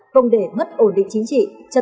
không để mất ổn định chính trị